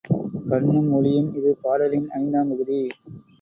கண்ணும் ஒளியும் இது பாடலின் ஐந்தாம் பகுதி.